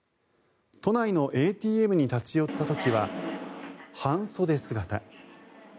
都内のＡＴＭに立ち寄った時は半袖姿。